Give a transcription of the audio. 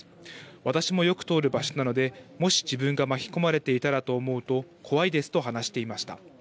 私もよく通る場所なのでもし自分が巻き込まれていたらと思うと怖いですと話していました。